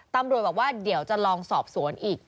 ตำรวจบอกว่าเดี๋ยวจะลองสอบสวนอีก